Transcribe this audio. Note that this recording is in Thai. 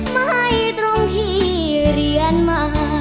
ไม่ตรงที่เรียนมา